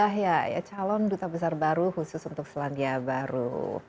ya calon duta besar baru khusus untuk selandia baru